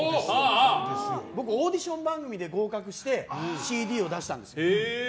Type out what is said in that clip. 僕、オーディション番組で合格してＣＤを出したんです。